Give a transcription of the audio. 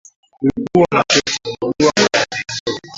kulikuwa na mtoto aliyeugua maradhi ya ndui